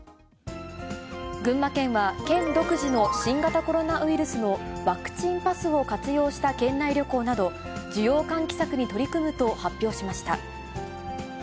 群馬県は県独自の新型コロナウイルスのワクチンパスを活用した県内旅行など、需要喚起策に取り組むと発表しました。